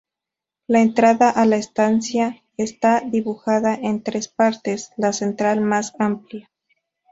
La entrada a la estancia está dibujada en tres partes, la central más amplia.